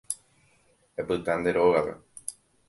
Epyta nde rógape